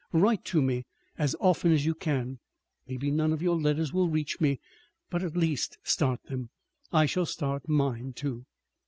Write to me as often as you can. Maybe none of your letters will reach me, but at least start them. I shall start mine, too."